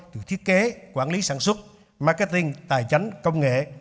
từ thiết kế quản lý sản xuất marketing tài chánh công nghệ